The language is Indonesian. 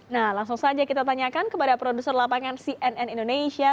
nah langsung saja kita tanyakan kepada produser lapangan cnn indonesia